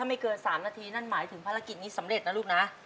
ไม่เกิน๓นาทีนั่นหมายถึงภารกิจนี้สำเร็จนะลูกนะ